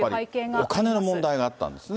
やっぱりお金の問題があったんですね。